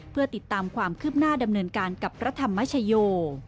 เพื่อติดตามความคืบหน้าดำเนินการกับพระธรรมชโย